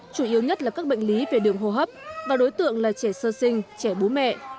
chủ yếu nhất là các bệnh lý về đường hô hấp và đối tượng là trẻ sơ sinh trẻ bố mẹ